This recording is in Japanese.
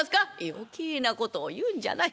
「余計なことを言うんじゃない。